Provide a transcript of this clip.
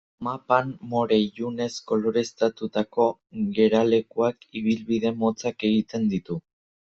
Mapan, more ilunez koloreztatutako geralekuak ibilbide motzak egiten ditu.